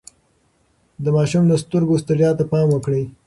د ماشوم د سترګو ستړيا ته پام وکړئ.